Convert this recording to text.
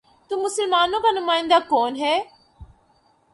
تو مسلمانوں کا نمائندہ کون ہے؟